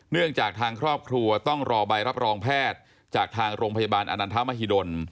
เนื่องจากทางครอบครัวต้องรอใบรับรองแพทย์จากทางโรงพยาบาลอนันทมหิดล